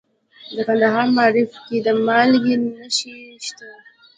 د کندهار په معروف کې د مالګې نښې شته.